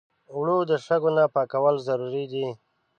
اوړه د شګو نه پاکول ضروري دي